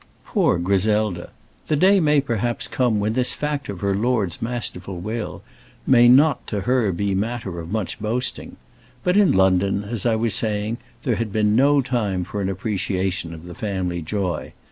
Poor Griselda! the day may perhaps come when this fact of her lord's masterful will may not to her be matter of much boasting. But in London, as I was saying, there had been no time for an appreciation of the family joy.